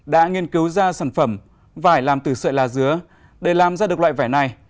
đã nghiên cứu ra sản phẩm vải làm từ sợi lá dứa để làm ra được loại vải này